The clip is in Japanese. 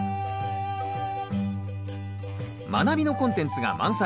「まなび」のコンテンツが満載。